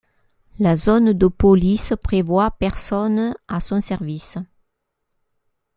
La Zone de Police prévoit personnes à son service.